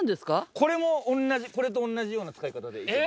これも同じこれと同じような使い方でいけます。